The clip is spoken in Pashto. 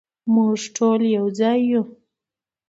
مونږ ټول یو ځای یو